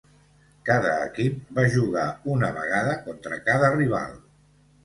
Cada equip va jugar una vegada contra cada rival.